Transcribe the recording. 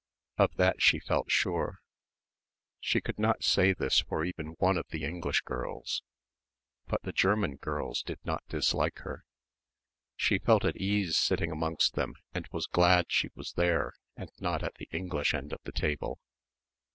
Of that she felt sure. She could not say this for even one of the English girls. But the German girls did not dislike her. She felt at ease sitting amongst them and was glad she was there and not at the English end of the table.